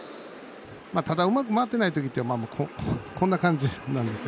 ただ、うまく回ってない時ってこんな感じなんですよ